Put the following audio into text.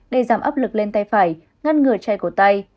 để giảm áp lực lên tay phải ngăn ngừa trai cổ tay